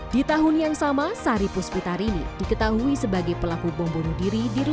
di tahun yang sama saripus pitarini diketahui sebagai pelaku bom bunuh diri di indonesia